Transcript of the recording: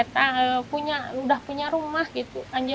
natih oh ahem namun bapak punya rumah ya punya rumah gitu emang baru